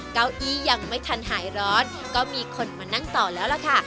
เก้าอี้ยังไม่ทันหายร้อนก็มีคนมานั่งต่อแล้วล่ะค่ะ